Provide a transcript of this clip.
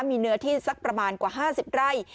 มีเนื้อที่สักประมาณกว่า๕๐ไร่